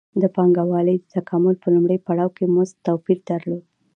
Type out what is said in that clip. د پانګوالۍ د تکامل په لومړي پړاو کې مزد توپیر درلود